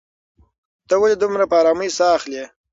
ته ولې دومره په ارامۍ ساه اخلې؟